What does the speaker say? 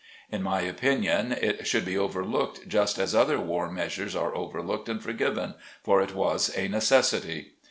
In my opinion it should be overlooked just as other war measures are overlooked and forgiven, for it was a necessity.